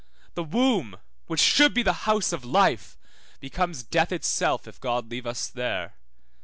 The womb, which should be the house of life, becomes death itself if God leave us there.